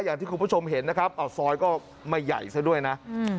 อย่างที่คุณผู้ชมเห็นนะครับเอาซอยก็ไม่ใหญ่ซะด้วยนะ